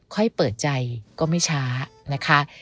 ค่อยเปิดใจก็ไม่ช้านะคะ